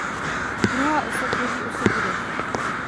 Druhá osa tvoří osu budov.